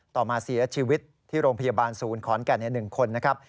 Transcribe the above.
ต่อมาเสียชีวิตที่โรงพยาบาลศูนย์ขอนแก่นใน๑คนนะครับ